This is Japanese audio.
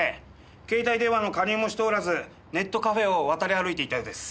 携帯電話の加入もしておらずネットカフェを渡り歩いていたようです。